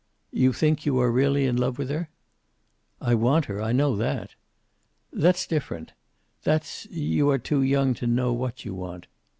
"You think you are really in love with her?" "I want her. I know that." "That's different. That's you are too young to know what you want."